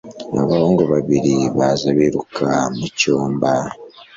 Abahungu babiri baza biruka mu cyumba.